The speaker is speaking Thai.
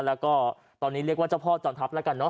แล้วก็ตอนนี้เรียกว่าเจ้าพ่อจอมทัพแล้วกันเนอ